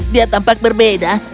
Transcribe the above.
dia tampak berbeda